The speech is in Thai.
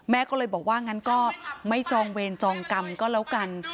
ก็เลยบอกว่างั้นก็ไม่จองเวรจองกรรมก็แล้วกัน